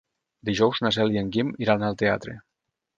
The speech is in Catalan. Dijous na Cel i en Guim iran al teatre.